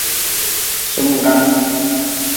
Sumgan.